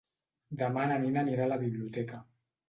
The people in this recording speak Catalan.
Demà na Nina anirà a la biblioteca.